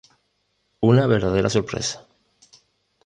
Una verdadera sorpresa.